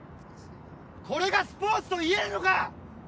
これがスポーツといえるのか！